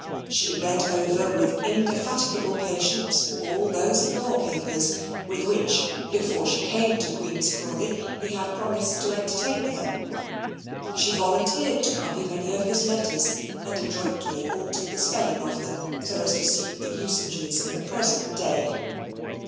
She read over, with indefatigable patience, all those law papers, with which, before she came to Queen's Crawley, he had promised to entertain her. She volunteered to copy many of his letters, and adroitly altered the spelling of them so as to suit the usages of the present day.